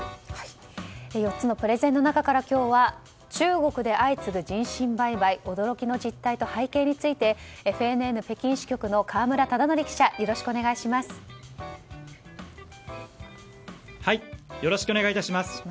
４つのプレゼンの中から今日は中国で相次ぐ人身売買驚きの実態と背景についてＦＮＮ北京支局の河村忠徳記者よろしくお願いします。